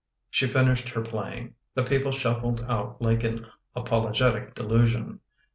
She finished her playing; the people shuffled out like an apologetic delusion.